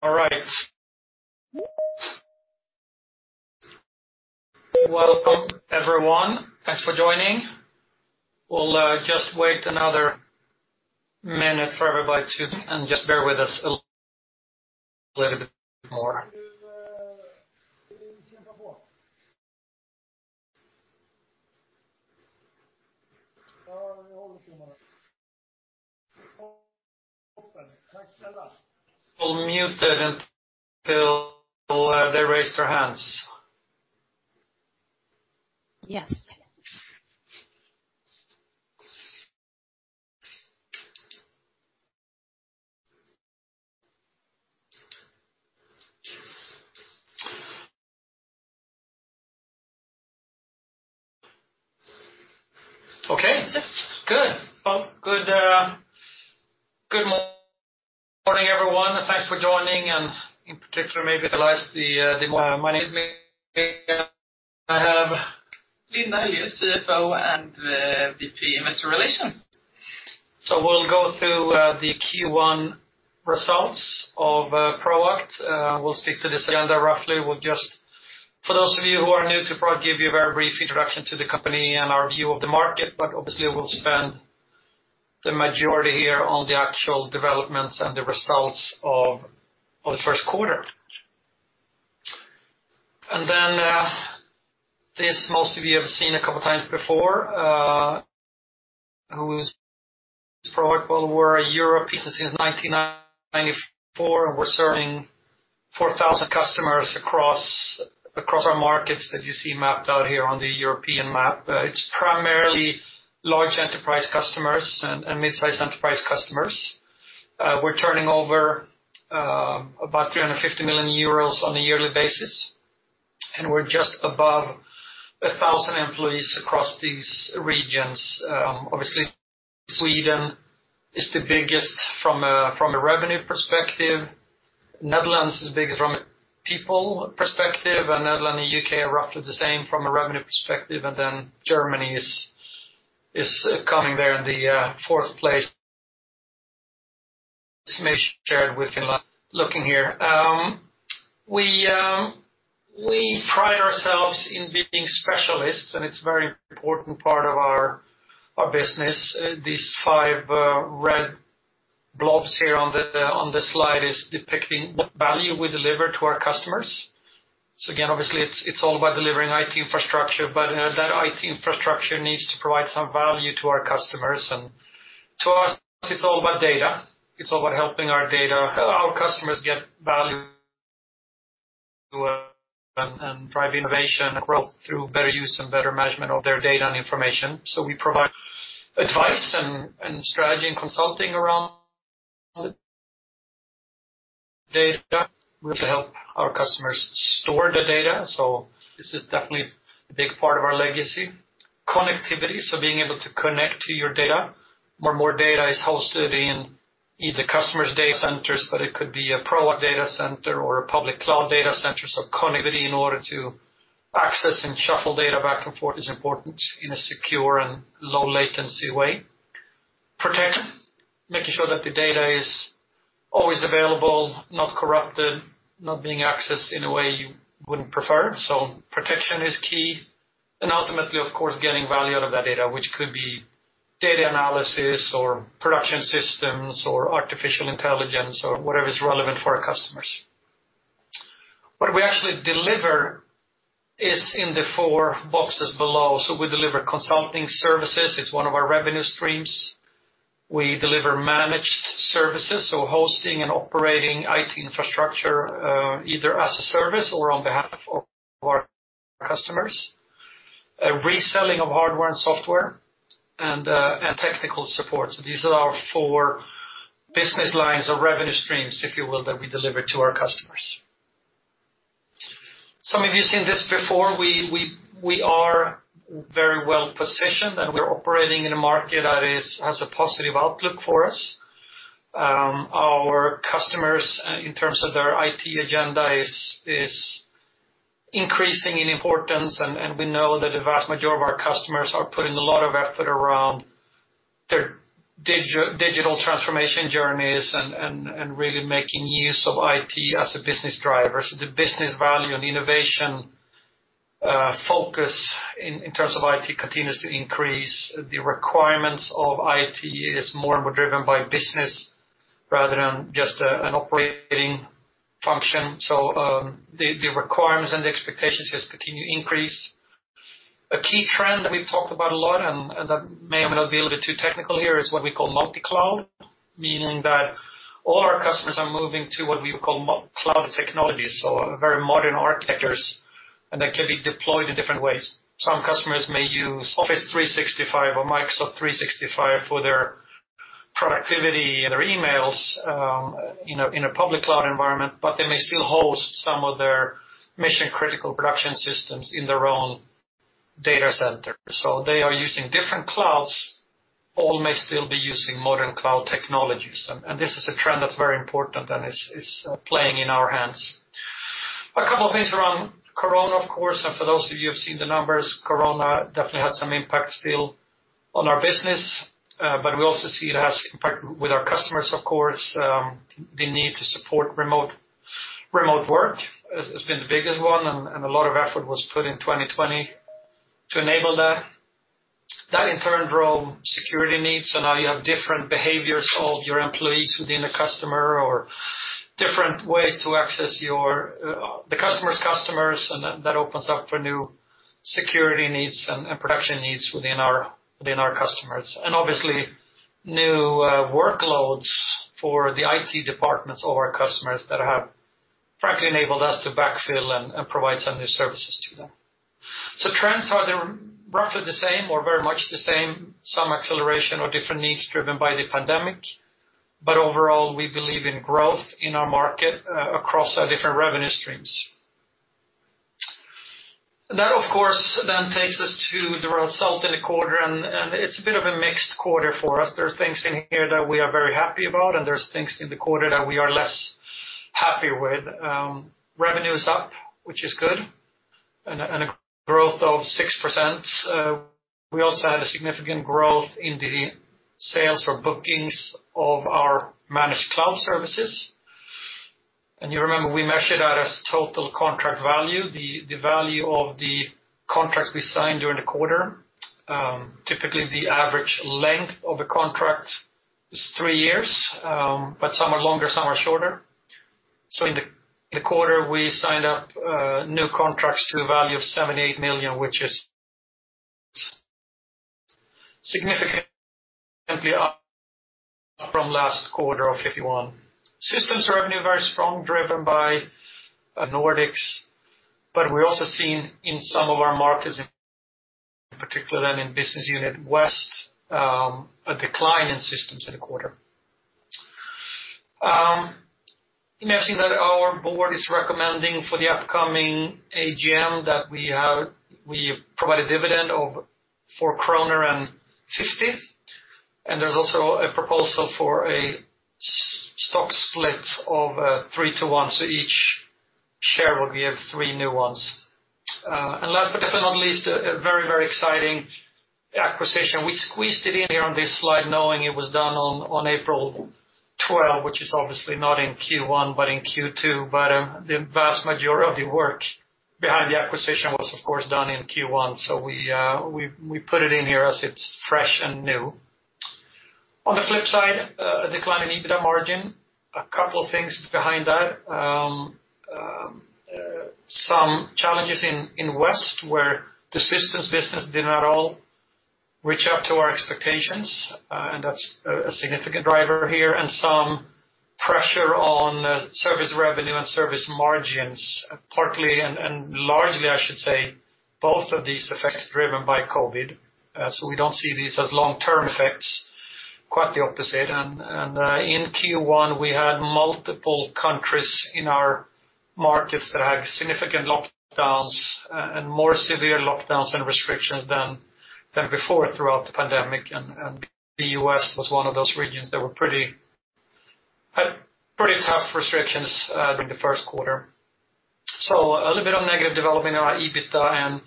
All right. Welcome, everyone. Thanks for joining. We'll just wait another minute for everybody to. And just bear with us a little bit more. We'll mute it until they raise their hands. Yes. Okay. Good. Good morning, everyone. Thanks for joining. And in particular, maybe the last, the morning. Good morning. With me, I have Linda Höljö, CFO and VP Investor Relations. We'll go through the Q1 results of Proact. We'll stick to this agenda roughly. For those of you who are new to Proact, I'll give you a very brief introduction to the company and our view of the market. Obviously, we'll spend the majority here on the actual developments and the results of the first quarter. Most of you have seen a couple of times before, who's Proact? We're a European company since 1994, and we're serving 4,000 customers across our markets that you see mapped out here on the European map. It's primarily large enterprise customers and midsize enterprise customers. We're turning over about 350 million euros on a yearly basis. We're just above 1,000 employees across these regions. Obviously, Sweden is the biggest from a revenue perspective. Netherlands is biggest from a people perspective. Netherlands and U.K. are roughly the same from a revenue perspective. Germany is coming there in the fourth place. It is maybe shared with Finland. Looking here, we pride ourselves in being specialists, and it is a very important part of our business. These five red blobs here on the slide are depicting the value we deliver to our customers. Again, obviously, it is all about delivering IT infrastructure. That IT infrastructure needs to provide some value to our customers. To us, it is all about data. It is all about helping our customers get value and drive innovation and growth through better use and better management of their data and information. We provide advice and strategy and consulting around the data. We also help our customers store the data. This is definitely a big part of our legacy. Connectivity, being able to connect to your data. More and more data is hosted in either customers' data centers, but it could be a Proact data center or a public cloud data center. Connectivity in order to access and shuffle data back and forth is important in a secure and low-latency way. Protection, making sure that the data is always available, not corrupted, not being accessed in a way you would not prefer. Protection is key. Ultimately, of course, getting value out of that data, which could be data analysis or production systems or artificial intelligence or whatever is relevant for our customers. What we actually deliver is in the four boxes below. We deliver consulting services. It's one of our revenue streams. We deliver managed services, so hosting and operating IT infrastructure, either as a service or on behalf of our customers. Reselling of hardware and software and technical support. These are our four business lines or revenue streams, if you will, that we deliver to our customers. Some of you have seen this before. We are very well positioned, and we're operating in a market that has a positive outlook for us. Our customers, in terms of their IT agenda, is increasing in importance. We know that the vast majority of our customers are putting a lot of effort around their digital transformation journeys and really making use of IT as a business driver. The business value and innovation focus in terms of IT continues to increase. The requirements of IT are more and more driven by business rather than just an operating function. The requirements and the expectations just continue to increase. A key trend that we've talked about a lot and that may or may not be a little bit too technical here is what we call multi-cloud, meaning that all our customers are moving to what we call multi-cloud technology, so very modern architectures, and they can be deployed in different ways. Some customers may use Office 365 or Microsoft 365 for their productivity and their emails, in a public cloud environment, but they may still host some of their mission-critical production systems in their own data center. They are using different clouds. All may still be using modern cloud technologies. This is a trend that's very important and is playing in our hands. A couple of things around Corona, of course. For those of you who have seen the numbers, Corona definitely had some impact still on our business. We also see it has impact with our customers, of course. The need to support remote, remote work has been the biggest one. A lot of effort was put in 2020 to enable that. That, in turn, drove security needs. Now you have different behaviors of your employees within a customer or different ways to access your, the customer's customers. That opens up for new security needs and production needs within our customers. Obviously, new workloads for the IT departments of our customers have, frankly, enabled us to backfill and provide some new services to them. Trends are roughly the same or very much the same, some acceleration or different needs driven by the pandemic. Overall, we believe in growth in our market, across our different revenue streams. That, of course, then takes us to the result in the quarter. It is a bit of a mixed quarter for us. There are things in here that we are very happy about, and there are things in the quarter that we are less happy with. Revenue is up, which is good, and a growth of 6%. We also had a significant growth in the sales or bookings of our managed cloud services. You remember we measured that as total contract value, the value of the contracts we signed during the quarter. Typically, the average length of a contract is three years, but some are longer, some are shorter. In the quarter, we signed up new contracts to a value of 78 million, which is significantly up from last quarter of 51 million. Systems revenue is very strong, driven by Nordics. We also see in some of our markets, in particular in business unit West, a decline in systems in the quarter. You may have seen that our board is recommending for the upcoming AGM that we provide a dividend of 4.50 kronor. There is also a proposal for a stock split of 3-1. Each share would give three new ones. Last but definitely not least, a very, very exciting acquisition. We squeezed it in here on this slide knowing it was done on April 12, which is obviously not in Q1 but in Q2. The vast majority of the work behind the acquisition was, of course, done in Q1. We put it in here as it's fresh and new. On the flip side, a decline in EBITDA margin, a couple of things behind that. Some challenges in West where the systems business did not all reach up to our expectations, and that's a significant driver here. And some pressure on service revenue and service margins, partly and, and largely, I should say, both of these effects driven by COVID. We do not see these as long-term effects, quite the opposite. In Q1, we had multiple countries in our markets that had significant lockdowns and more severe lockdowns and restrictions than before throughout the pandemic. The U.S. was one of those regions that had pretty tough restrictions during the first quarter. A little bit of negative development in our EBITDA and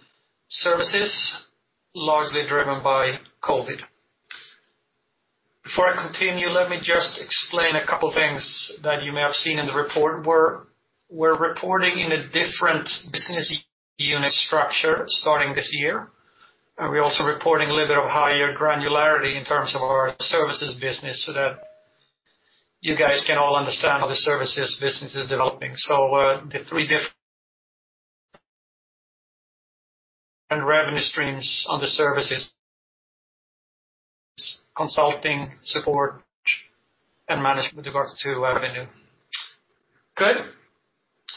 services, largely driven by COVID. Before I continue, let me just explain a couple of things that you may have seen in the report. We're reporting in a different business unit structure starting this year. We're also reporting a little bit of higher granularity in terms of our services business so that you guys can all understand how the services business is developing. The three different revenue streams on the services: consulting, support, and management with regards to revenue. Good.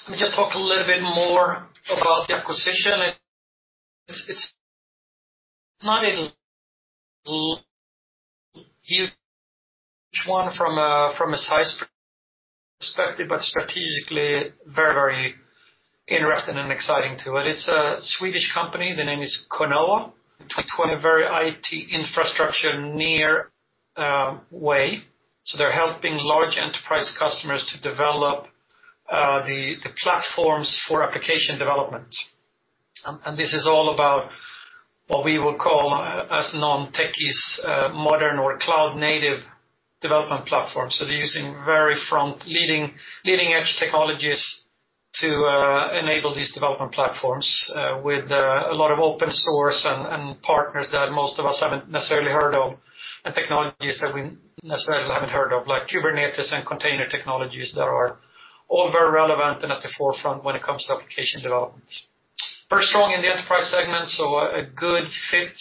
Let me just talk a little bit more about the acquisition. It's not a huge one from a size perspective, but strategically very, very interesting and exciting too. It's a Swedish company. The name is Conoa. They're a very IT infrastructure near, way. They're helping large enterprise customers to develop the platforms for application development. This is all about what we would call, as non-techies, modern or cloud-native development platforms. They're using very front-leading, leading-edge technologies to enable these development platforms, with a lot of open source and partners that most of us haven't necessarily heard of and technologies that we necessarily haven't heard of, like Kubernetes and container technologies that are all very relevant and at the forefront when it comes to application development. Very strong in the enterprise segment, so a good fit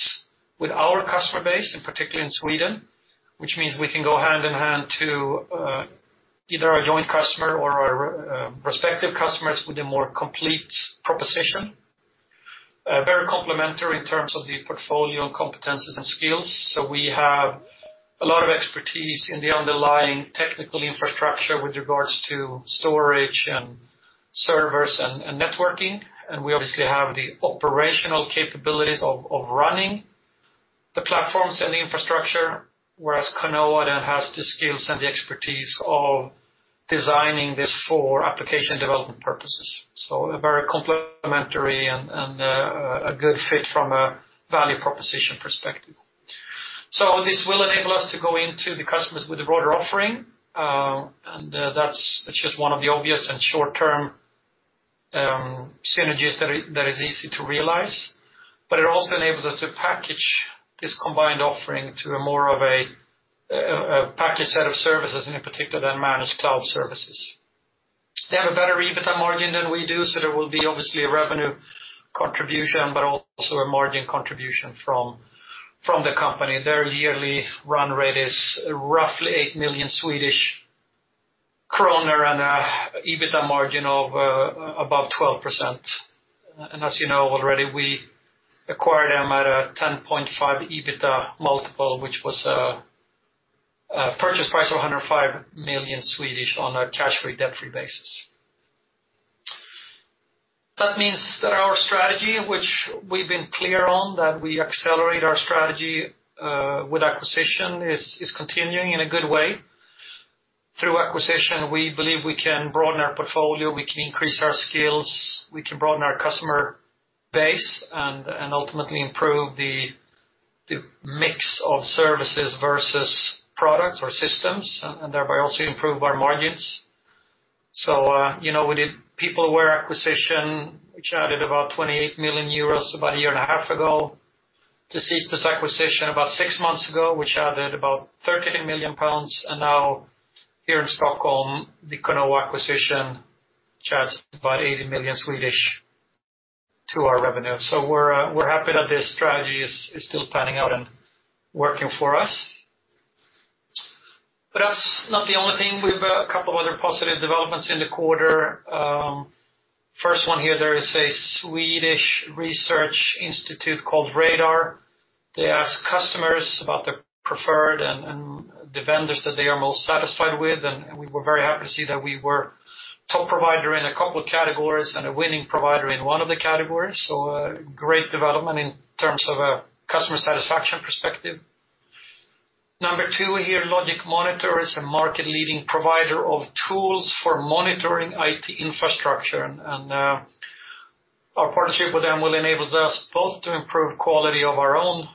with our customer base, and particularly in Sweden, which means we can go hand in hand to either our joint customer or our prospective customers with a more complete proposition. Very complementary in terms of the portfolio and competencies and skills. We have a lot of expertise in the underlying technical infrastructure with regards to storage and servers and networking. We obviously have the operational capabilities of running the platforms and the infrastructure, whereas Conoa then has the skills and the expertise of designing this for application development purposes. A very complementary and a good fit from a value proposition perspective. This will enable us to go into the customers with a broader offering, and that's just one of the obvious and short-term synergies that is easy to realize. It also enables us to package this combined offering to more of a package set of services, and in particular then managed cloud services. They have a better EBITDA margin than we do, so there will be obviously a revenue contribution but also a margin contribution from the company. Their yearly run rate is roughly 8 million Swedish kronor and an EBITDA margin of above 12%. As you know already, we acquired them at a 10.5 EBITDA multiple, which was a purchase price of 105 million on a cash-free, debt-free basis. That means that our strategy, which we have been clear on that we accelerate our strategy with acquisition, is continuing in a good way. Through acquisition, we believe we can broaden our portfolio. We can increase our skills. We can broaden our customer base and ultimately improve the mix of services versus products or systems and thereby also improve our margins. You know, we did the PeopleWare acquisition, which added about 28 million euros about a year and a half ago. The Cetus acquisition about six months ago, which added about 13 million pounds. Now here in Stockholm, the Conoa acquisition charged about 80 million to our revenue. We are happy that this strategy is still panning out and working for us. That is not the only thing. We have a couple of other positive developments in the quarter. The first one here, there is a Swedish research institute called Radar. They ask customers about their preferred and the vendors that they are most satisfied with. We were very happy to see that we were a top provider in a couple of categories and a winning provider in one of the categories. Great development in terms of a customer satisfaction perspective. Number two here, LogicMonitor is a market-leading provider of tools for monitoring IT infrastructure. Our partnership with them will enable us both to improve quality of our own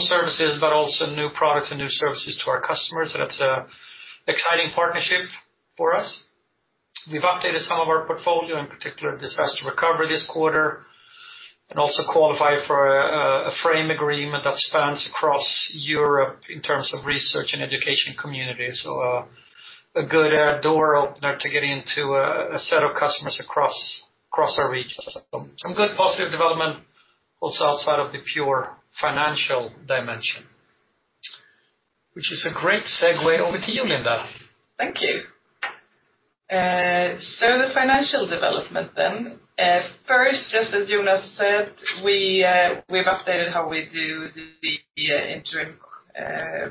services but also new products and new services to our customers. It is an exciting partnership for us. We've updated some of our portfolio, in particular disaster recovery this quarter, and also qualified for a frame agreement that spans across Europe in terms of research and education community. A good door opener to get into a set of customers across our region. Some good positive development also outside of the pure financial dimension, which is a great segue over to you, Linda. Thank you. The financial development then. First, just as Jonas said, we've updated how we do the interim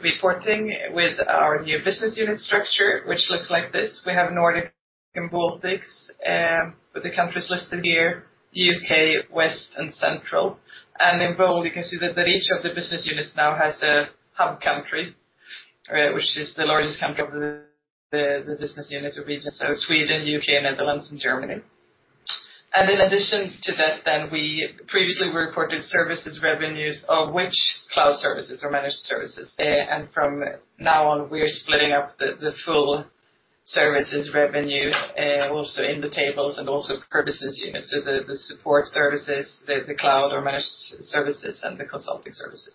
reporting with our new business unit structure, which looks like this. We have Nordic and Baltics, with the countries listed here: U.K., West, and Central. In bold, you can see that each of the business units now has a hub country, which is the largest country of the business unit region, so Sweden, U.K., Netherlands, and Germany. In addition to that, we previously reported services revenues of which cloud services or managed services. From now on, we're splitting up the full services revenue, also in the tables and also purposes units. So the support services, the cloud or managed services, and the consulting services.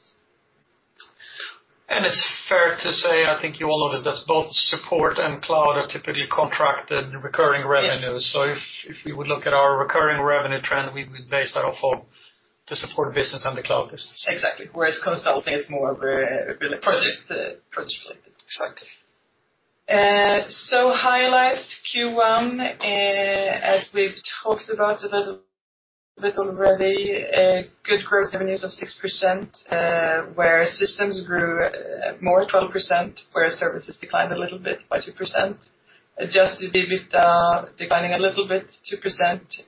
It's fair to say, I think you all noticed that both support and cloud are typically contracted recurring revenues. If we would look at our recurring revenue trend, we would base that off of the support business and the cloud business. Exactly. Whereas consulting is more of a project, project-related. Exactly. Highlights Q1, as we've talked about a little bit already, good growth revenues of 6%, where systems grew more, 12%, whereas services declined a little bit by 2%. Adjusted EBITDA, declining a little bit, 2%,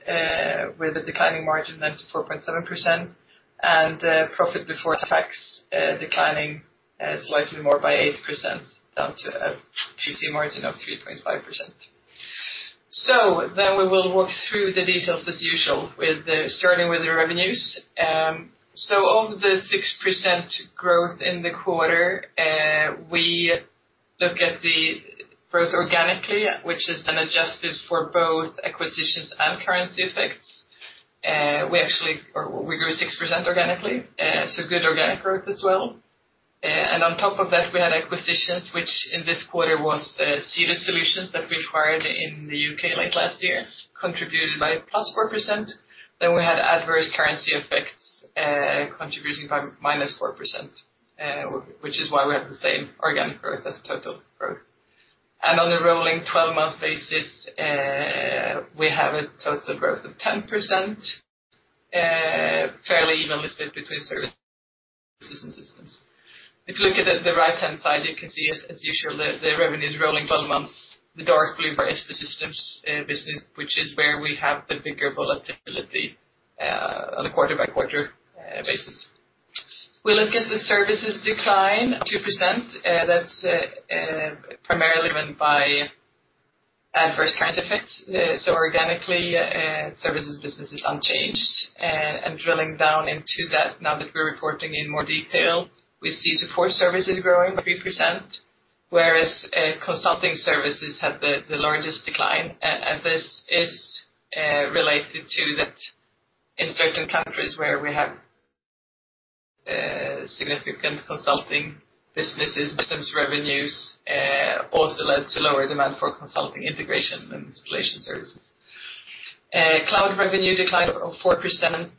with a declining margin then to 4.7%. Profit before tax, declining, slightly more by 8% down to a PT margin of 3.5%. We will walk through the details as usual with, starting with the revenues. Of the 6% growth in the quarter, we look at the growth organically, which has been adjusted for both acquisitions and currency effects. We actually, or we grew 6% organically, so good organic growth as well. And on top of that, we had acquisitions, which in this quarter was Cetus Solutions that we acquired in the U.K. late last year, contributed by +4%. Then we had adverse currency effects, contributing by -4%, which is why we have the same organic growth as total growth. On a rolling 12-month basis, we have a total growth of 10%, fairly evenly split between services and systems. If you look at the right-hand side, you can see, as usual, the revenues rolling 12 months, the dark blue is the systems business, which is where we have the bigger volatility on a quarter-by-quarter basis. We look at the services decline, 2%. That's primarily driven by adverse currency effects. Organically, services business is unchanged. Drilling down into that, now that we're reporting in more detail, we see support services growing by 3%, whereas consulting services had the largest decline. This is related to that in certain countries where we have significant consulting businesses, systems revenues also led to lower demand for consulting integration and installation services. Cloud revenue declined 4%.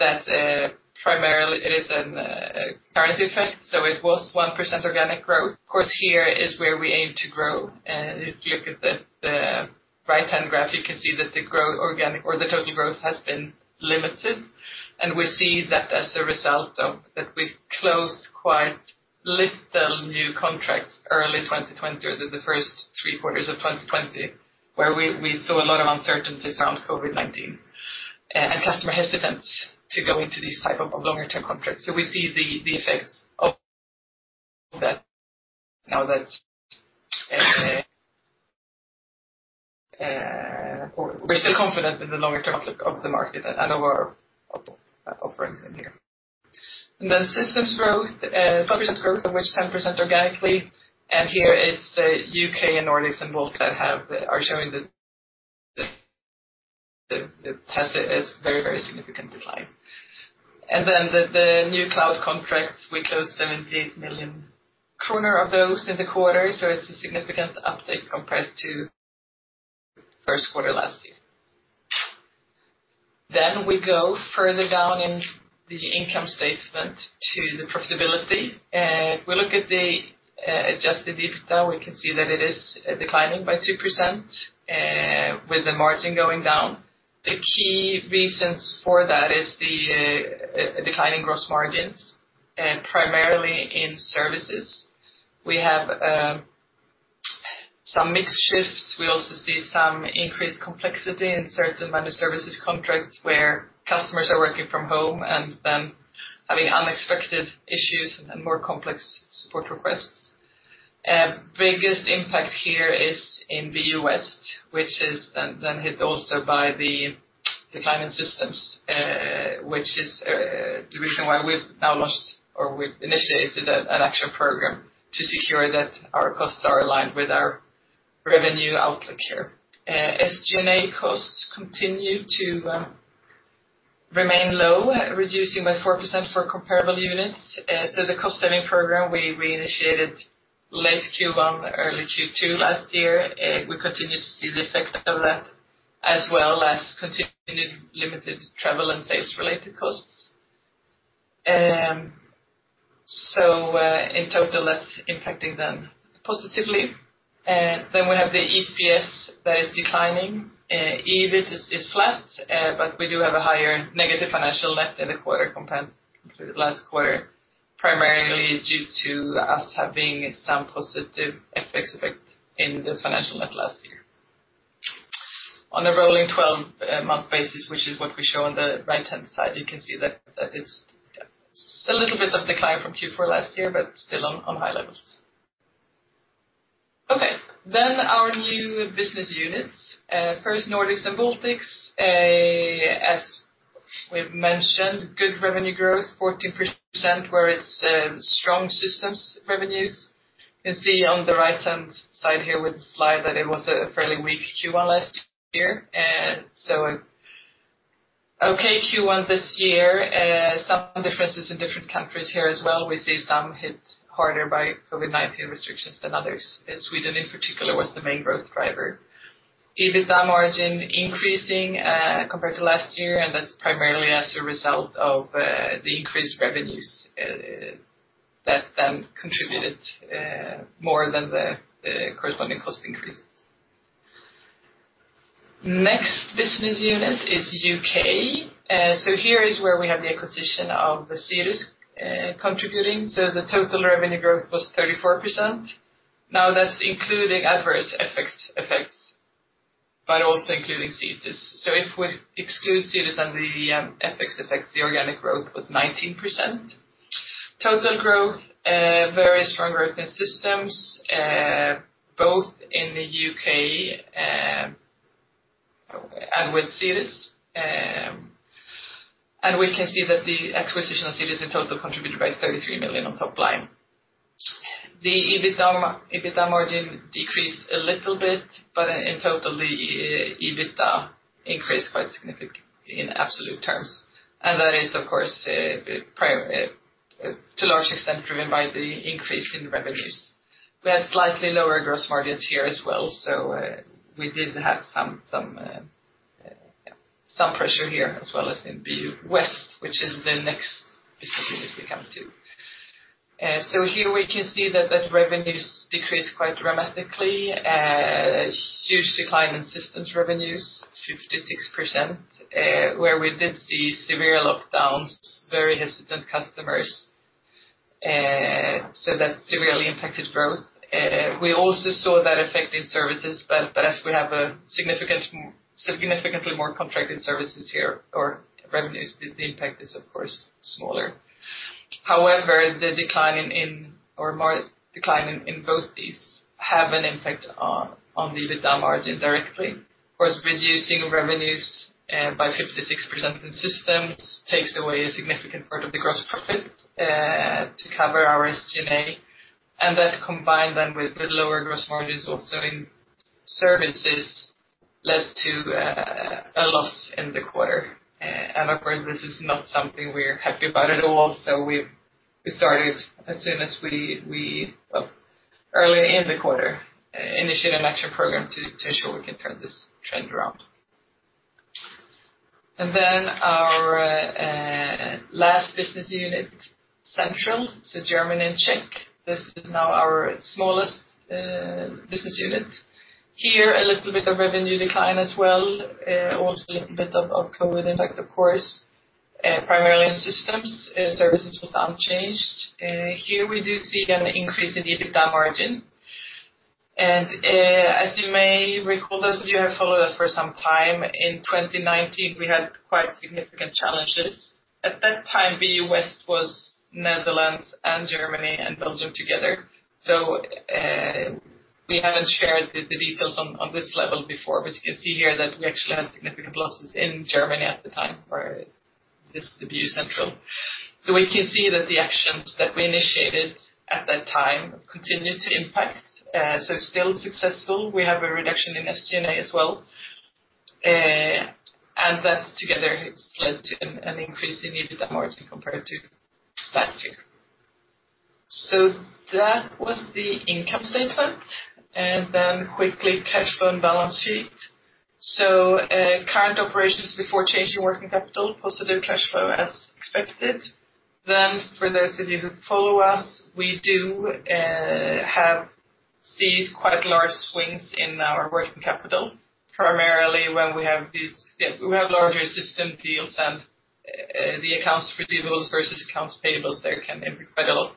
That primarily is a currency effect. It was 1% organic growth. Of course, here is where we aim to grow. If you look at the right-hand graph, you can see that the growth organic or the total growth has been limited. We see that as a result of that, we have closed quite little new contracts early 2020 or the first three quarters of 2020, where we saw a lot of uncertainty around COVID-19 and customer hesitance to go into these types of longer-term contracts. We see the effects of that now. We are still confident in the longer-term outlook of the market and of our operating in here. Systems growth, 12% growth, of which 10% organically. Here, it is U.K. and Nordics, both that are showing the test is very, very significant decline. The new cloud contracts, we closed 78 million kronor of those in the quarter. It is a significant uptake compared to first quarter last year. We go further down in the income statement to the profitability. We look at the adjusted EBITDA. We can see that it is declining by 2%, with the margin going down. The key reasons for that is the declining gross margins, primarily in services. We have some mixed shifts. We also see some increased complexity in certain managed services contracts where customers are working from home and then having unexpected issues and more complex support requests. Biggest impact here is in the U.S., which is then hit also by the declining systems, which is the reason why we've now launched or we've initiated an action program to secure that our costs are aligned with our revenue outlook here. SG&A costs continue to remain low, reducing by 4% for comparable units. The cost-saving program we initiated late Q1, early Q2 last year. We continue to see the effect of that as well as continued limited travel and sales-related costs. In total, that is impacting them positively. Then we have the EPS that is declining. EBIT is flat, but we do have a higher negative financial net in the quarter compared to the last quarter, primarily due to us having some positive effect in the financial net last year. On a rolling 12-month basis, which is what we show on the right-hand side, you can see that it is a little bit of decline from Q4 last year, but still on high levels. Okay. Our new business units. First, Nordics and Baltics, as we have mentioned, good revenue growth, 14%, where it is strong systems revenues. You can see on the right-hand side here with the slide that it was a fairly weak Q1 last year. Okay, Q1 this year, some differences in different countries here as well. We see some hit harder by COVID-19 restrictions than others. Sweden in particular was the main growth driver. EBITDA margin increasing, compared to last year. And that's primarily as a result of the increased revenues, that then contributed more than the corresponding cost increases. Next business unit is U.K. Here is where we have the acquisition of Cetus, contributing. The total revenue growth was 34%. Now that's including adverse effects but also including Cetus. If we exclude Cetus and the effects, the organic growth was 19%. Total growth, very strong growth in systems, both in the U.K. and with Cetus. We can see that the acquisition of Cetus in total contributed by 33 million on top line. The EBITDA margin decreased a little bit, but in total, the EBITDA increased quite significantly in absolute terms. That is, of course, to a large extent driven by the increase in revenues. We had slightly lower gross margins here as well. We did have some pressure here as well as in the West, which is the next business unit we come to. Here we can see that revenues decreased quite dramatically. Huge decline in systems revenues, 56%, where we did see severe lockdowns, very hesitant customers. That severely impacted growth. We also saw that effect in services, but as we have significantly more contracted services here or revenues, the impact is, of course, smaller. However, the decline in both these have an impact on the EBITDA margin directly. Of course, reducing revenues by 56% in systems takes away a significant part of the gross profit to cover our SG&A. That combined then with lower gross margins also in services led to a loss in the quarter. Of course, this is not something we're happy about at all. We started as soon as we, well, early in the quarter, initiated an action program to ensure we can turn this trend around. Our last business unit, Central, so German and Czech. This is now our smallest business unit. Here, a little bit of revenue decline as well, also a little bit of COVID impact, of course, primarily in systems. Services was unchanged. Here we do see an increase in the EBITDA margin. As you may recall, those of you who have followed us for some time, in 2019, we had quite significant challenges. At that time, the West was Netherlands and Germany and Belgium together. We have not shared the details on this level before, but you can see here that we actually had significant losses in Germany at the time where this is the view central. We can see that the actions that we initiated at that time continued to impact. It is still successful. We have a reduction in SG&A as well, and that together has led to an increase in EBITDA margin compared to last year. That was the income statement. Quickly, cash flow and balance sheet. Current operations before changing working capital, positive cash flow as expected. For those of you who follow us, you have seen quite large swings in our working capital, primarily when we have these larger system deals and the accounts receivables versus accounts payables, there can impact quite a lot.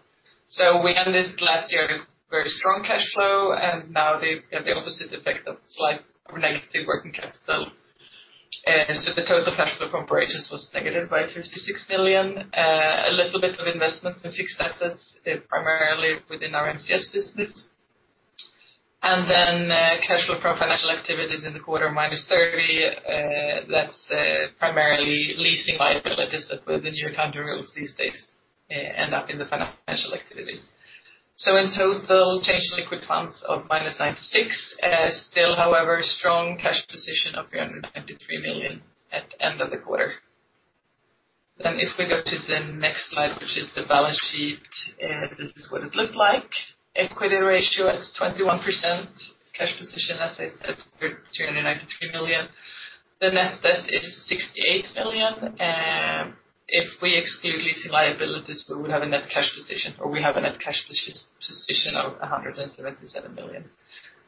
We ended last year with very strong cash flow, and now they have the opposite effect of slight or negative working capital. The total cash flow from operations was negative by 56 million. A little bit of investments in fixed assets, primarily within our MCS business. Cash flow from financial activities in the quarter, -30 million. That is primarily leasing liabilities that with the new accounting rules these days, end up in the financial activities. In total, change in liquid funds of -96 million. Still, however, strong cash position of 393 million at the end of the quarter. If we go to the next slide, which is the balance sheet, this is what it looked like. Equity ratio at 21%, cash position, as I said, 393 million. The net debt is 68 million. If we exclude leasing liabilities, we would have a net cash position, or we have a net cash position of 177 million.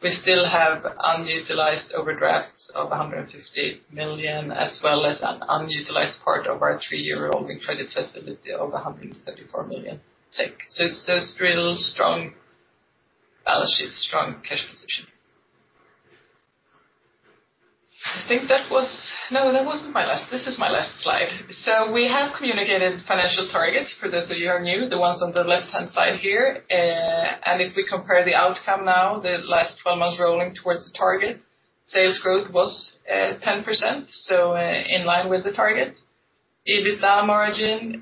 We still have unutilized overdrafts of 158 million, as well as an unutilized part of our three-year rolling credit facility of 134 million. Still strong balance sheet, strong cash position. I think that was no, that was not my last. This is my last slide. We have communicated financial targets for those of you who are new, the ones on the left-hand side here. If we compare the outcome now, the last 12 months rolling towards the target, sales growth was 10%. In line with the target. EBITDA margin,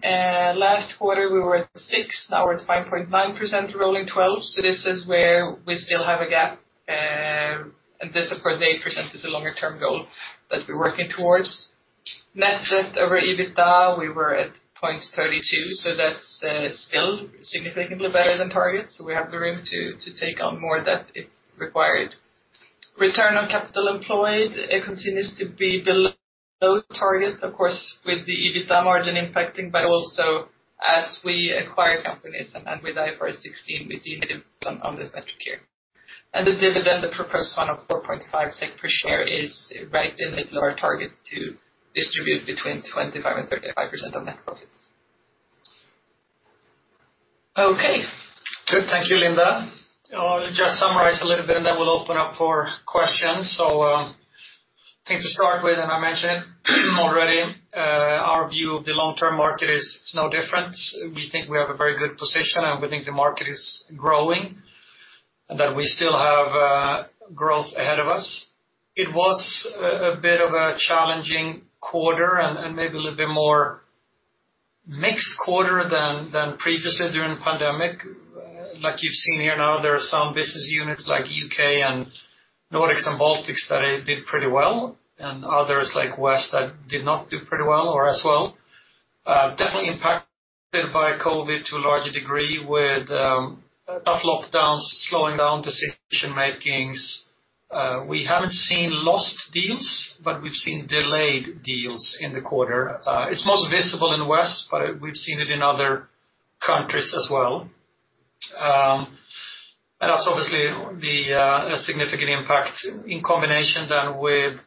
last quarter we were at 6, now we're at 5.9%, rolling 12. This is where we still have a gap. This, of course, 8% is a longer-term goal that we're working towards. Net debt over EBITDA, we were at 0.32. That's still significantly better than target. We have the room to take on more debt if required. Return on capital employed, it continues to be below target, of course, with the EBITDA margin impacting, but also as we acquire companies and we dive our 16, we see a dividend on this metric here. The dividend, the proposed one of 4.5 SEK per share, is right in the lower target to distribute between 25% and 35% of net profits. Okay. Good. Thank you, Linda. I'll just summarize a little bit, and that will open up for questions. I think to start with, and I mentioned it already, our view of the long-term market is, it's no difference. We think we have a very good position, and we think the market is growing and that we still have growth ahead of us. It was a bit of a challenging quarter and maybe a little bit more mixed quarter than previously during the pandemic. Like you've seen here now, there are some business units like U.K. and Nordics and Baltics that have did pretty well and others like West that did not do pretty well or as well. Definitely impacted by COVID to a large degree with tough lockdowns, slowing down decision-makings. We haven't seen lost deals, but we've seen delayed deals in the quarter. It's most visible in West, but we've seen it in other countries as well. That's obviously a significant impact in combination then with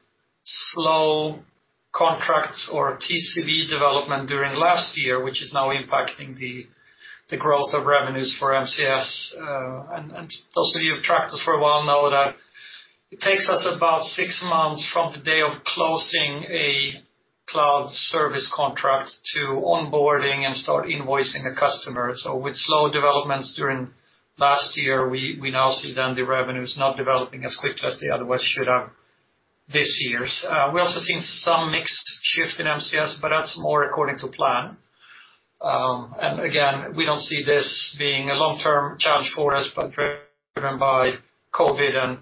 slow contracts or TCV development during last year, which is now impacting the growth of revenues for MCS. Those of you who have tracked us for a while know that it takes us about six months from the day of closing a cloud service contract to onboarding and start invoicing a customer. With slow developments during last year, we now see then the revenues not developing as quickly as they otherwise should have this year. We're also seeing some mixed shift in MCS, but that's more according to plan. Again, we don't see this being a long-term challenge for us, but driven by COVID.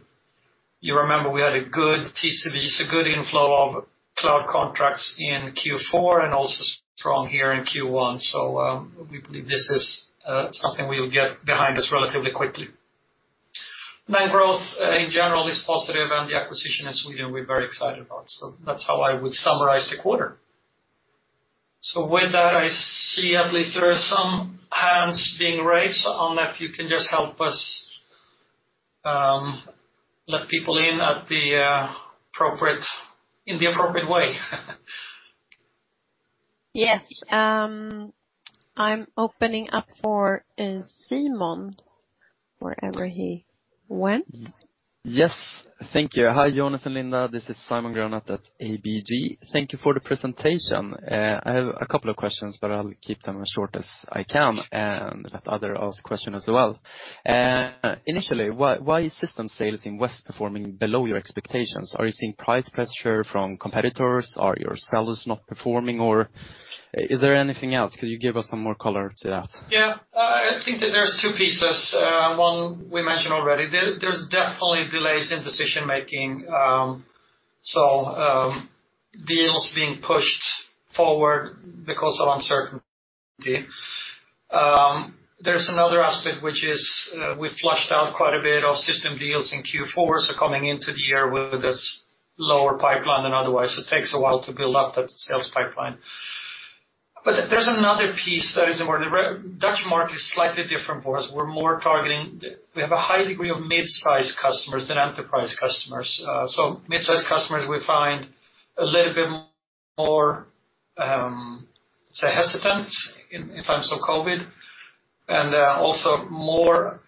You remember we had good TCVs, a good inflow of cloud contracts in Q4 and also strong here in Q1. We believe this is something we'll get behind us relatively quickly. Net growth in general is positive, and the acquisition in Sweden we're very excited about. That's how I would summarize the quarter. With that, I see at least there are some hands being raised. Unless you can just help us, let people in in the appropriate way. Yes. I'm opening up for Simon wherever he went. Yes. Thank you. Hi, Jonas and Linda. This is Simon Granath at ABG. Thank you for the presentation. I have a couple of questions, but I'll keep them as short as I can and let others ask questions as well. Initially, why is system sales in West performing below your expectations? Are you seeing price pressure from competitors? Are your sellers not performing, or is there anything else? Could you give us some more color to that? Yeah. I think that there's two pieces. One we mentioned already. There, there's definitely delays in decision-making. Deals being pushed forward because of uncertainty. There's another aspect, which is, we flushed out quite a bit of system deals in Q4. Coming into the year with this lower pipeline than otherwise, it takes a while to build up that sales pipeline. There's another piece that is important. The Dutch market is slightly different for us. We're more targeting the, we have a high degree of mid-size customers than enterprise customers. Mid-size customers, we find a little bit more, say, hesitant in terms of COVID and also more,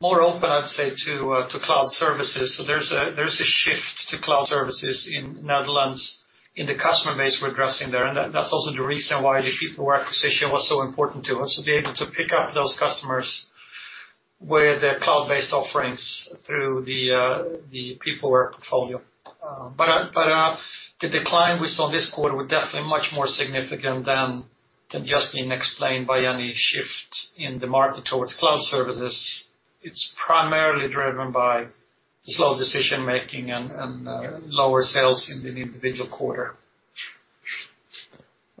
more open, I'd say, to cloud services. There's a shift to cloud services in Netherlands in the customer base we're addressing there. That is also the reason why the PeopleWare position was so important to us, to be able to pick up those customers with their cloud-based offerings through the PeopleWare portfolio. The decline we saw this quarter was definitely much more significant than just being explained by any shift in the market towards cloud services. It is primarily driven by the slow decision-making and lower sales in the individual quarter.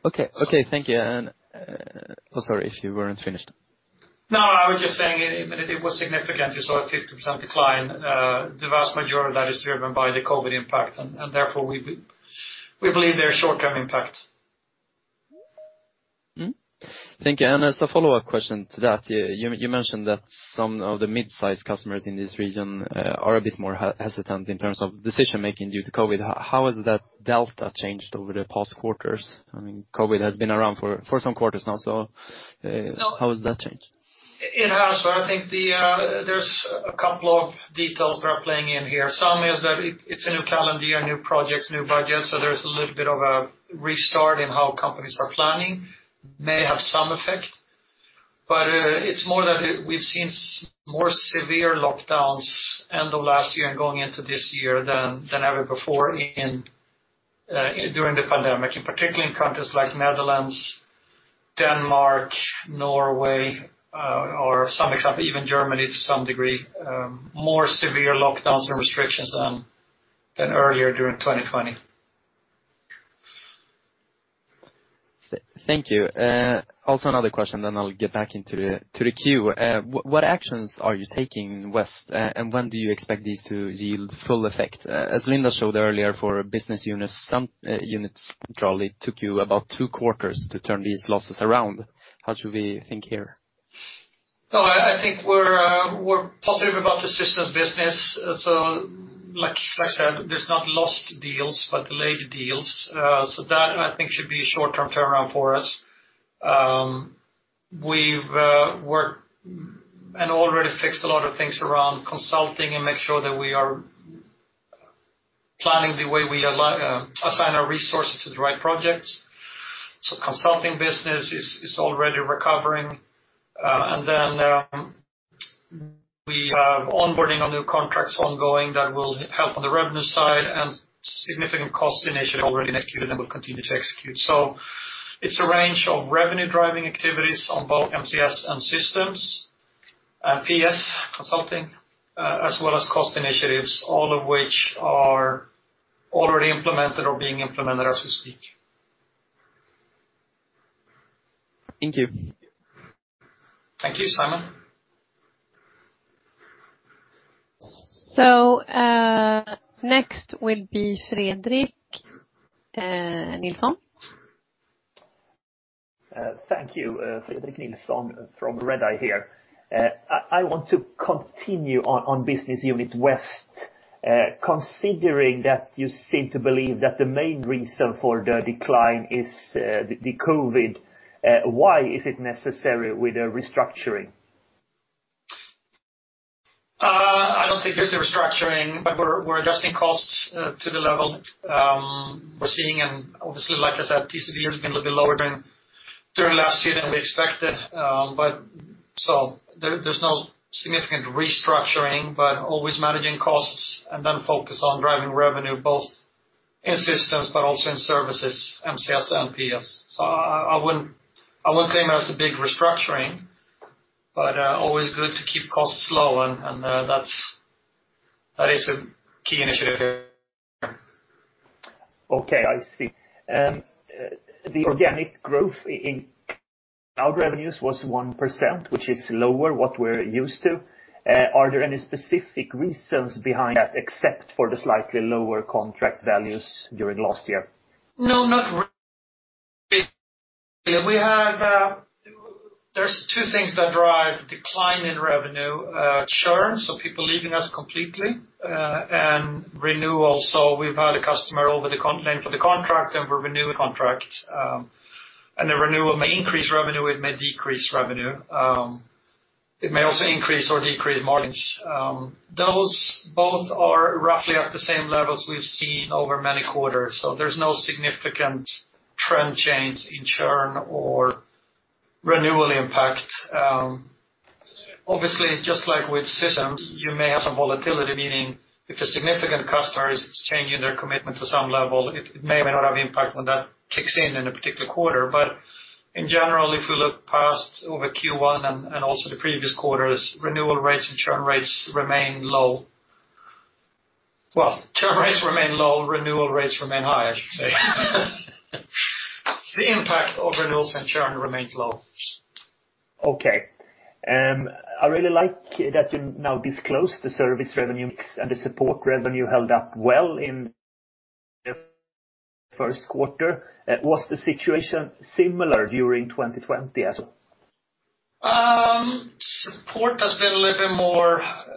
Okay. Thank you. Oh, sorry if you were not finished. No, I was just saying in a minute it was significant. You saw a 50% decline. The vast majority of that is driven by the COVID impact, and therefore we believe there are short-term impacts. Mm-hmm. Thank you. As a follow-up question to that, you mentioned that some of the mid-size customers in this region are a bit more hesitant in terms of decision-making due to COVID. How has that delta changed over the past quarters? I mean, COVID has been around for some quarters now. How has that changed? It has. I think there are a couple of details that are playing in here. Some is that it is a new calendar, new projects, new budgets. There is a little bit of a restart in how companies are planning that may have some effect. It's more that we've seen more severe lockdowns end of last year and going into this year than ever before during the pandemic, in particular in countries like Netherlands, Denmark, Norway, for some example, even Germany to some degree, more severe lockdowns and restrictions than earlier during 2020. Thank you. Also, another question, then I'll get back into the queue. What actions are you taking in West? And when do you expect these to yield full effect? As Linda showed earlier, for business units, some units, it took you about two quarters to turn these losses around. How should we think here? No, I think we're positive about the systems business. Like I said, there's not lost deals, but delayed deals. That, I think, should be a short-term turnaround for us. We've worked and already fixed a lot of things around consulting and make sure that we are planning the way we allow, assign our resources to the right projects. So consulting business is already recovering. Then, we have onboarding on new contracts ongoing that will help on the revenue side and significant cost initiative already executed and will continue to execute. It is a range of revenue-driving activities on both MCS and systems and PS consulting, as well as cost initiatives, all of which are already implemented or being implemented as we speak. Thank you. Thank you, Simon. Next will be Fredrik Nilsson. Thank you, Fredrik Nilsson from Redeye here. I want to continue on business unit West, considering that you seem to believe that the main reason for the decline is the COVID. Why is it necessary with a restructuring? I don't think there's a restructuring, but we're adjusting costs to the level we're seeing. Obviously, like I said, TCV has been a little bit lower during last year than we expected. There is no significant restructuring, but always managing costs and then focus on driving revenue both in systems, but also in services, MCS and PS. I wouldn't claim it as a big restructuring, but always good to keep costs low. That is a key initiative here. Okay. I see. The organic growth in cloud revenues was 1%, which is lower than what we're used to. Are there any specific reasons behind that except for the slightly lower contract values during last year? No, not really. We have, there's two things that drive decline in revenue, churn, so people leaving us completely, and renewal. We have had a customer over the length of the contract, and we are renewing the contract. The renewal may increase revenue. It may decrease revenue. It may also increase or decrease margins. Those both are roughly at the same levels we have seen over many quarters. There is no significant trend change in churn or renewal impact. Obviously, just like with systems, you may have some volatility, meaning if a significant customer is changing their commitment to some level, it may or may not have impact when that kicks in in a particular quarter. In general, if we look past over Q1 and also the previous quarters, renewal rates and churn rates remain low. Churn rates remain low. Renewal rates remain high, I should say. The impact of renewals and churn remains low. Okay. I really like that you now disclosed the service revenue mix and the support revenue held up well in the first quarter. Was the situation similar during 2020 as well? Support has been a little bit more, I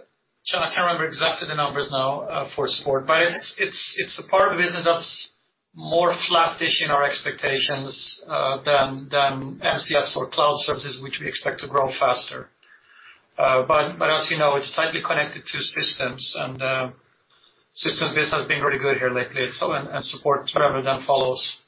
can't remember exactly the numbers now, for support, but it's a part of the business that's more flattish in our expectations, than MCS or cloud services, which we expect to grow faster. As you know, it's tightly connected to systems, and systems business has been really good here lately. Support whatever then follows.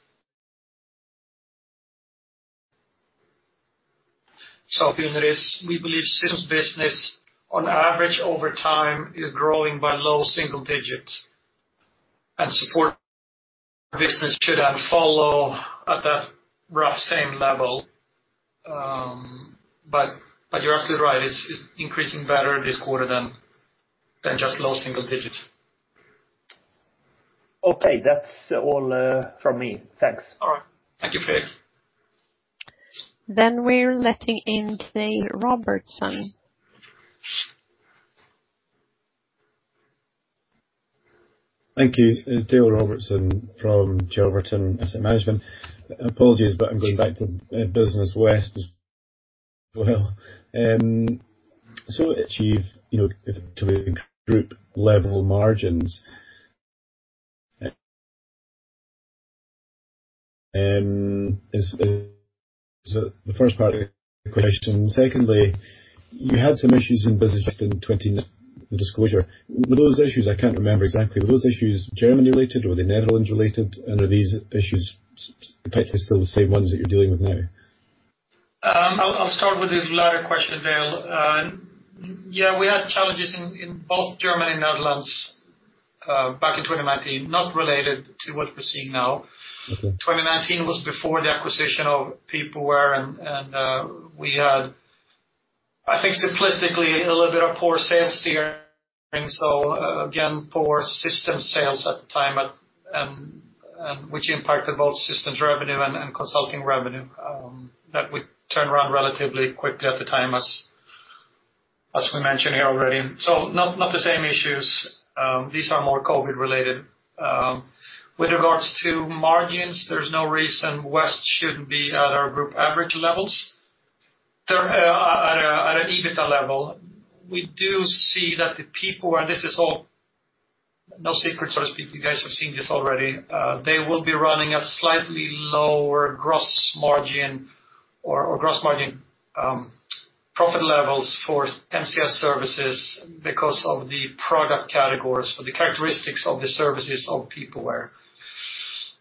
The unit is, we believe systems business on average over time is growing by low single digits, and support business should then follow at that rough same level. You are absolutely right. It's increasing better this quarter than just low single digits. Okay. That's all from me. Thanks. All right. Thank you, Fredrik. We are letting in Dale Robertson. Thank you. It's Dale Robertson from Chelverton Asset Management. Apologies, but I'm going back to business West as well. Achieve, you know, to a group level margins? Is the first part of the question. Secondly, you had some issues in business just in the disclosure. Were those issues, I can't remember exactly, were those issues Germany related or were they Netherlands related? And are these issues potentially still the same ones that you're dealing with now? I'll start with the latter question, Dale. Yeah, we had challenges in both Germany and Netherlands back in 2019, not related to what we're seeing now. Okay. 2019 was before the acquisition of PeopleWare, and we had, I think, simplistically, a little bit of poor sales tiering. Again, poor system sales at the time, which impacted both systems revenue and consulting revenue, that would turn around relatively quickly at the time, as we mentioned here already. Not the same issues. These are more COVID related. With regards to margins, there is no reason West should not be at our group average levels at an EBITDA level. We do see that the PeopleWare, and this is all no secret, so to speak, you guys have seen this already, they will be running at slightly lower gross margin or gross margin profit levels for MCS services because of the product categories for the characteristics of the services of PeopleWare.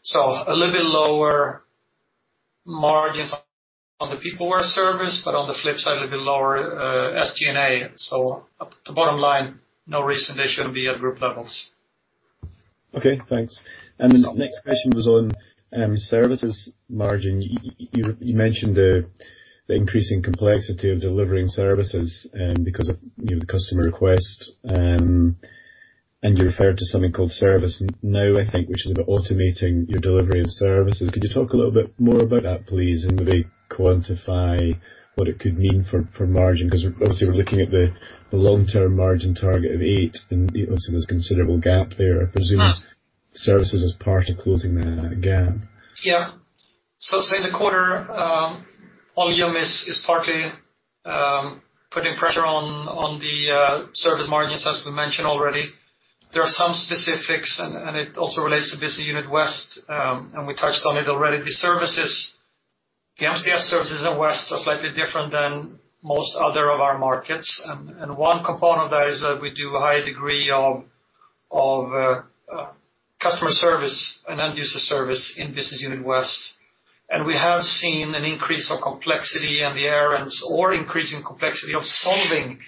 So a little bit lower margins on the PeopleWare service, but on the flip side, a little bit lower SG&A. The bottom line, no reason they shouldn't be at group levels. Okay. Thanks. The next question was on services margin. You mentioned the increasing complexity of delivering services, because of, you know, the customer request, and you referred to something called ServiceNow, I think, which is about automating your delivery of services. Could you talk a little bit more about that, please, and maybe quantify what it could mean for margin? Because obviously we're looking at the long-term margin target of 8, and obviously there's a considerable gap there. I presume services is part of closing that gap. Yeah. In the quarter, volume is partly putting pressure on the service margins, as we mentioned already. There are some specifics, and it also relates to business unit West, and we touched on it already. The services, the MCS services in West are slightly different than most other of our markets. One component of that is that we do a high degree of customer service and end-user service in business unit West. We have seen an increase of complexity and the errands or increasing complexity of solving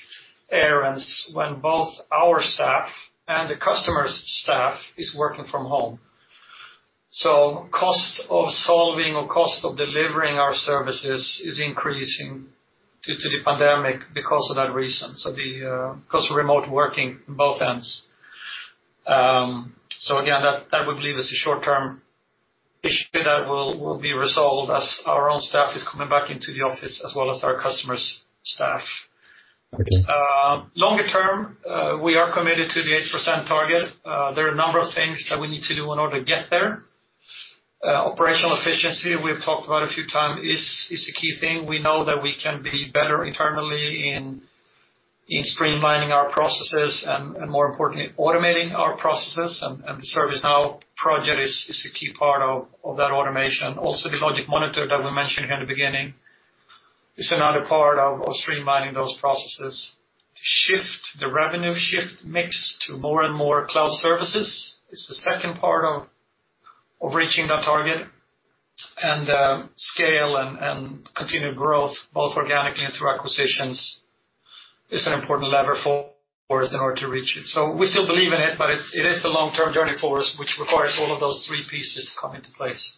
errands when both our staff and the customer's staff is working from home. Cost of solving or cost of delivering our services is increasing due to the pandemic because of that reason, because of remote working on both ends. Again, that, that we believe is a short-term issue that will be resolved as our own staff is coming back into the office as well as our customer's staff. Okay. Longer term, we are committed to the 8% target. There are a number of things that we need to do in order to get there. Operational efficiency, we've talked about a few times, is a key thing. We know that we can be better internally in streamlining our processes and, more importantly, automating our processes. The ServiceNow project is a key part of that automation. Also, the LogicMonitor that we mentioned here in the beginning is another part of streamlining those processes. To shift the revenue mix to more and more cloud services is the second part of reaching that target. Scale and continue growth both organically and through acquisitions is an important lever for us in order to reach it. We still believe in it, but it is a long-term journey for us, which requires all of those three pieces to come into place.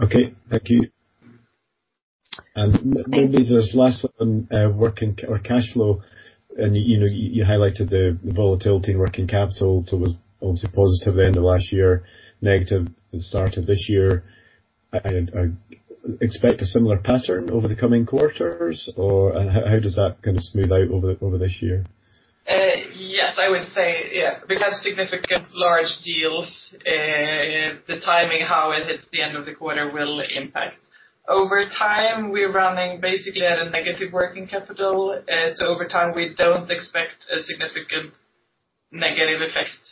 Thank you. Maybe there is less on working or cash flow. You know, you highlighted the volatility in working capital. It was obviously positive at the end of last year, negative at the start of this year. I expect a similar pattern over the coming quarters, or how does that kind of smooth out over this year? Yes, I would say, yeah, we have had significant large deals. The timing, how it hits the end of the quarter, will impact. Over time, we are running basically at a negative working capital. Over time, we do not expect a significant negative effect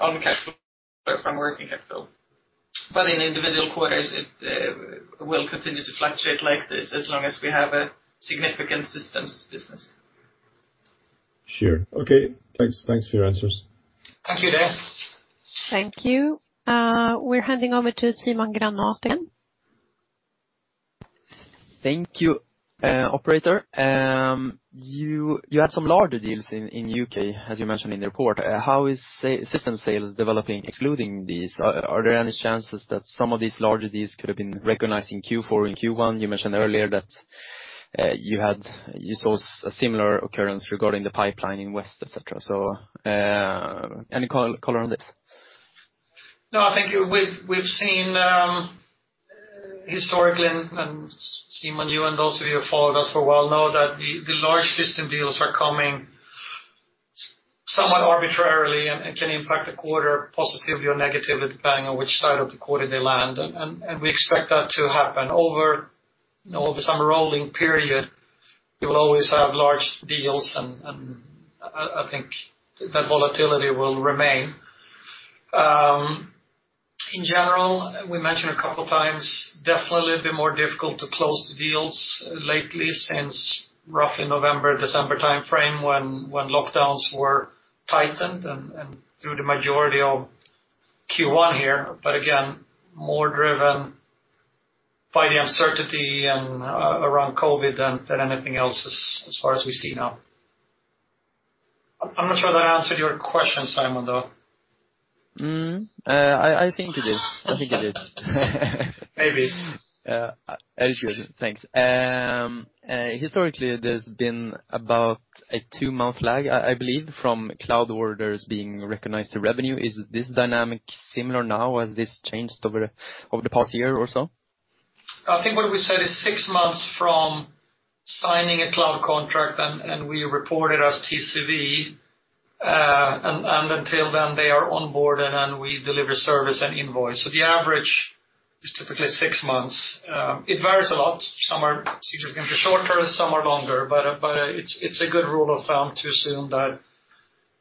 on cash flow from working capital. In individual quarters, it will continue to fluctuate like this as long as we have a significant systems business. Sure. Okay. Thanks. Thanks for your answers. Thank you, Dale. Thank you. We're handing over to Simon Granath again. Thank you, operator. You had some larger deals in the U.K., as you mentioned in the report. How is systems sales developing excluding these? Are there any chances that some of these larger deals could have been recognized in Q4 and Q1? You mentioned earlier that you saw a similar occurrence regarding the pipeline in West, etc. Any color on this? No, I think we've seen, historically, and Simon, you and those of you who followed us for a while know that the large system deals are coming somewhat arbitrarily and can impact the quarter positively or negatively depending on which side of the quarter they land. We expect that to happen over, you know, over some rolling period. You will always have large deals, and I think that volatility will remain. In general, we mentioned a couple of times, definitely a little bit more difficult to close the deals lately since roughly November, December timeframe when lockdowns were tightened and through the majority of Q1 here. Again, more driven by the uncertainty around COVID than anything else as far as we see now. I'm not sure that answered your question, Simon, though. Mm-hmm. I think it did. I think it did. Maybe. Very good. Thanks. Historically, there's been about a two-month lag, I believe, from cloud orders being recognized to revenue. Is this dynamic similar now? Has this changed over the past year or so? I think what we said is six months from signing a cloud contract and we report it as TCV, and until then they are onboarded and we deliver service and invoice. The average is typically six months. It varies a lot. Some are significantly shorter, some are longer, but it's a good rule of thumb to assume that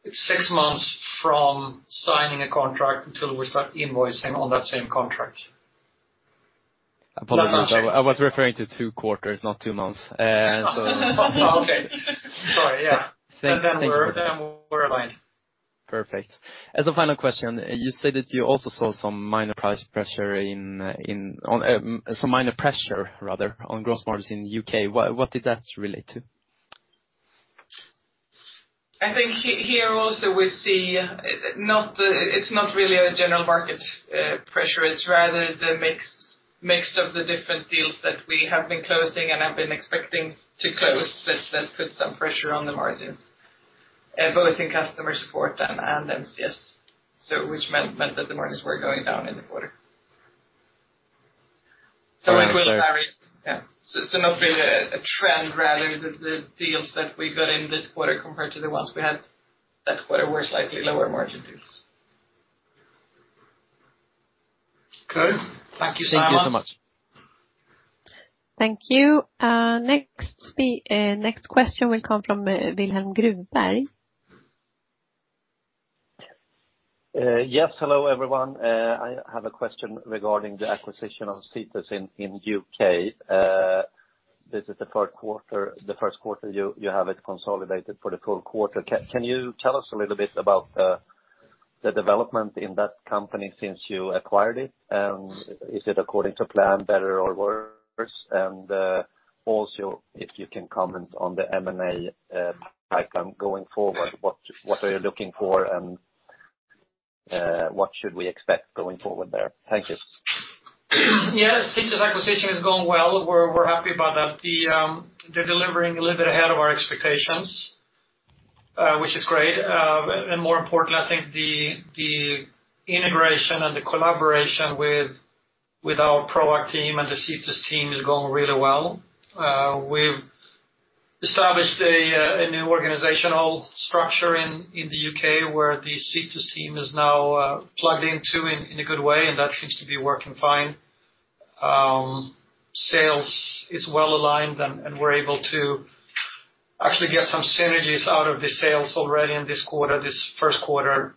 it's six months from signing a contract until we start invoicing on that same contract. Apologies. I was referring to two quarters, not two months. Oh, okay. Sorry. Yeah. Thank you. And then we're aligned. Perfect. As a final question, you said that you also saw some minor price pressure on some minor pressure rather on gross margins in the U.K. What did that relate to? I think here also we see not the, it's not really a general market pressure. It's rather the mix of the different deals that we have been closing and have been expecting to close that put some pressure on the margins, both in customer support and MCS. Which meant that the margins were going down in the quarter. It will vary. Not really a trend rather than the deals that we got in this quarter compared to the ones we had that quarter were slightly lower margin deals. Okay. Thank you, Simon. Thank you so much. Thank you. Next question will come from Wilhelm Gruberg. Yes. Hello everyone. I have a question regarding the acquisition of Cetus in U.K. This is the third quarter, the first quarter you have it consolidated for the full quarter. Can you tell us a little bit about the development in that company since you acquired it? Is it according to plan, better or worse? Also, if you can comment on the M&A pipeline going forward, what are you looking for and what should we expect going forward there? Thank you. Yeah. Cetus acquisition is going well. We're happy about that. They're delivering a little bit ahead of our expectations, which is great. More importantly, I think the integration and the collaboration with our Proact team and the Cetus team is going really well. We've established a new organizational structure in the U.K. where the Cetus team is now plugged in in a good way, and that seems to be working fine. Sales is well aligned, and we're able to actually get some synergies out of the sales already in this quarter, this first quarter,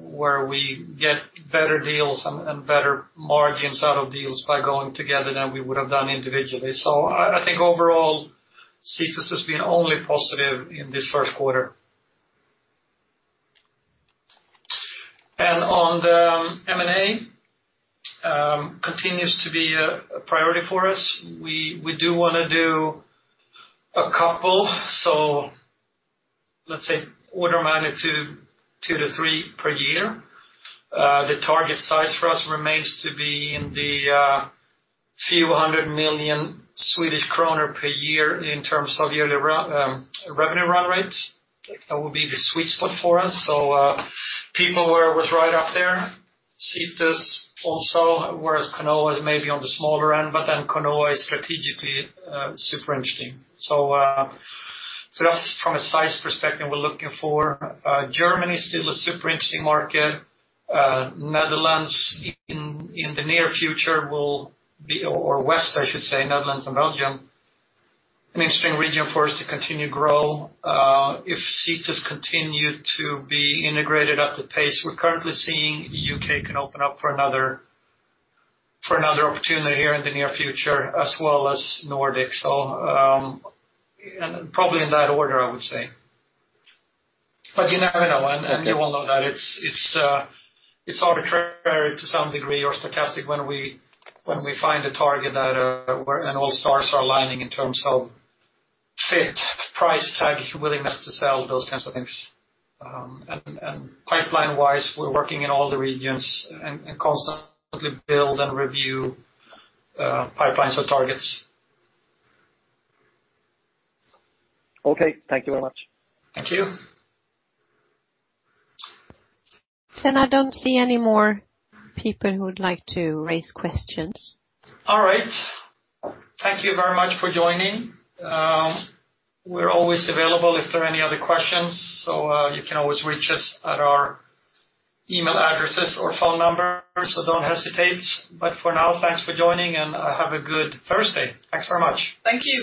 where we get better deals and better margins out of deals by going together than we would have done individually. I think overall, Cetus has been only positive in this first quarter. On the M&A, it continues to be a priority for us. We do want to do a couple. Let's say order of magnitude, two to three per year. The target size for us remains to be in the few hundred million SEK per year in terms of yearly revenue run rates. That will be the sweet spot for us. PeopleWare was right up there. Cetus also, whereas Conoa is maybe on the smaller end, but then Conoa is strategically, super interesting. That is from a size perspective we are looking for. Germany is still a super interesting market. Netherlands, in the near future, will be, or West, I should say, Netherlands and Belgium. An interesting region for us to continue to grow. If Cetus continues to be integrated at the pace we are currently seeing, the U.K. can open up for another opportunity here in the near future as well as Nordic. Probably in that order, I would say. You never know, and you will know that it's arbitrary to some degree or stochastic when we find a target where all stars are aligning in terms of fit, price tag, willingness to sell, those kinds of things. Pipeline-wise, we're working in all the regions and constantly build and review pipelines or targets. Okay. Thank you very much. Thank you. I don't see any more people who would like to raise quest ions. All right. Thank you very much for joining. We're always available if there are any other questions. You can always reach us at our email addresses or phone numbers, so don't hesitate. For now, thanks for joining, and have a good Thursday. Thanks very much. Thank you.